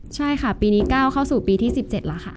ใช่ค่ะปีนี้ก้าวเข้าสู่ปีที่๑๗แล้วค่ะ